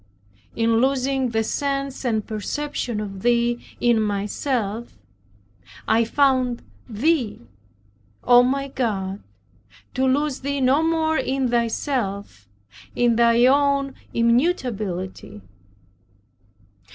In losing the sense and perception of Thee in myself I found Thee, O my God, to lose Thee no more in Thyself, in Thy own immutability.